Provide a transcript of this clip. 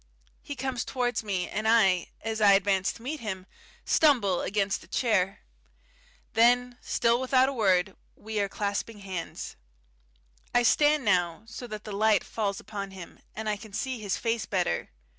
He comes towards me, and I, as I advance to meet him, stumble against a chair. Then, still without a word, we are clasping hands. I stand now so that the light falls upon him, and I can see his face better.